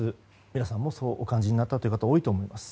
皆さんもそうお感じになった方が多いと思います。